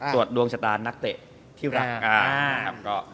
ตรวจดวงชะตานักเตะที่รัก